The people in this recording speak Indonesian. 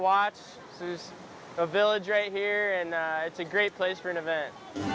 ada sebuah wilayah di sini dan ini adalah tempat yang bagus untuk menarik wisatawan